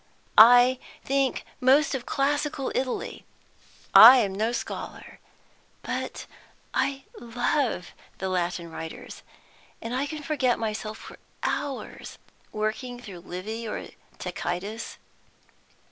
I think most of classical Italy. I am no scholar, but I love the Latin writers, and can forget myself for hours, working through Livy or Tacitus.